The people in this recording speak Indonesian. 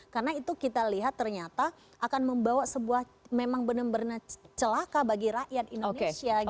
karena itu kita lihat ternyata akan membawa sebuah memang benar benar celaka bagi rakyat indonesia gitu loh